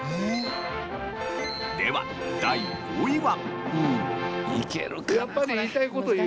では第５位は。